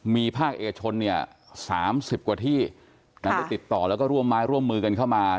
มีภาคเอกชนเนี่ย๓๐กว่าที่ได้ติดต่อแล้วก็ร่วมไม้ร่วมมือกันเข้ามา